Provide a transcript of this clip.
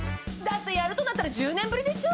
やるとなったら１０年ぶりでしょ？